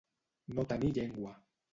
No tenir llengua.